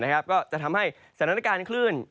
ก็จะทำให้สถานการณ์คลื่น